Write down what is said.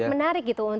sangat menarik gitu